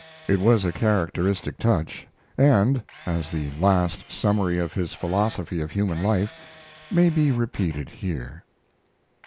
It was a characteristic touch, and, as the last summary of his philosophy of human life, may be repeated here.